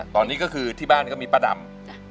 ตอนนี้ก็คือที่บ้านก็มีป้าดำ